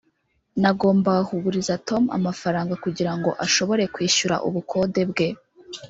nagombaga kuguriza tom amafaranga kugirango ashobore kwishyura ubukode bwe